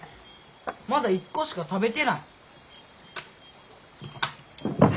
まだ１個しか食べてない。